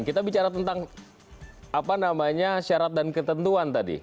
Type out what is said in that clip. kita bicara tentang apa namanya syarat dan ketentuan tadi